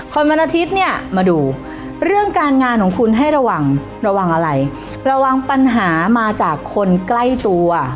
วันอาทิตย์เนี่ยมาดูเรื่องการงานของคุณให้ระวังระวังอะไรระวังปัญหามาจากคนใกล้ตัว